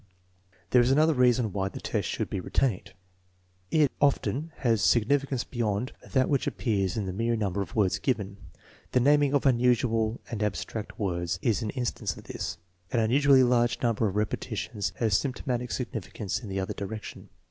There is another reason why the test should be retained: it often has significance beyond that which appears in the mere number of words given. The naming of unusual and abstract words is an instance of this. An unusually large number of repetitions has symptomatic significance in the other direction.